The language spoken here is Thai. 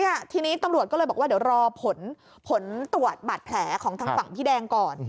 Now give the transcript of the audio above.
เนี่ยทีนี้ตำรวจก็เลยบอกว่าเดี๋ยวรอผลผลตรวจบาดแผลของทางฝั่งพี่แดงก่อน